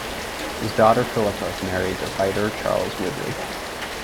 His daughter Philippa married the writer Charles Whibley.